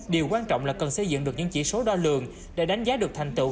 điều quan trọng là cần xây dựng được những chỉ số đo lường để đánh giá được thành tựu